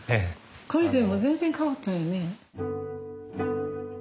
これでも全然変わったよね。